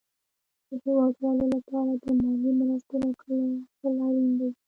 د هېوادوالو لپاره د مالي مرستو راټول اړين دي.